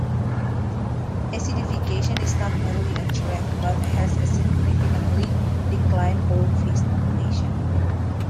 Acidification is not merely a threat but has significantly declined whole fish populations.